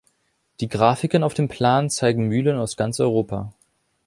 Die Grafiken auf dem Plan zeigen Mühlen aus ganz Europa.